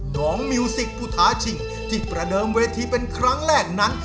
มิวสิกผู้ท้าชิงที่ประเดิมเวทีเป็นครั้งแรกนั้น